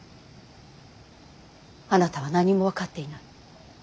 あなたは何も分かっていない。